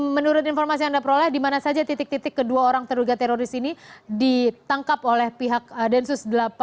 menurut informasi yang anda peroleh di mana saja titik titik kedua orang terduga teroris ini ditangkap oleh pihak densus delapan puluh delapan